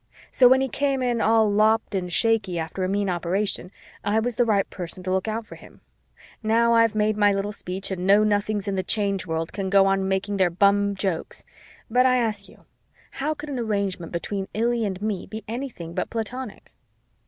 So when he came in all lopped and shaky after a mean operation, I was the right person to look out for him. Now I've made my little speech and know nothings in the Change World can go on making their bum jokes. But I ask you, how could an arrangement between Illy and me be anything but Platonic?